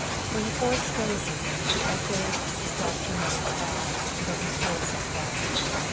With a forced stoicism she essayed to distract her mother's thoughts, but with poor success.